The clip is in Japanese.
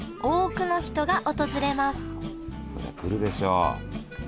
そりゃ来るでしょ。